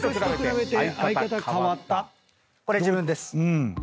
これ自分です。